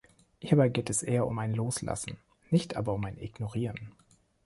Hierbei geht es eher um ein Loslassen, nicht aber um ein Ignorieren.